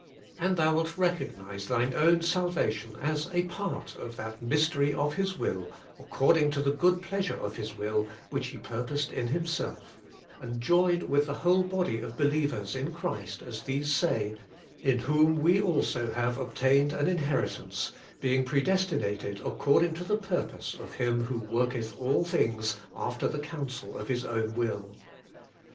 And thou wilt recognize thine own salvation as a part of that * mystery of His will, according to the good pleasure of His will which He purposed in Himself, and join with the whole body of believers in Christ as these say, 'In whom we also have obtained an inheritance, being predestinated according to the purpose of Him who worketh all things after the counsel of His own will.'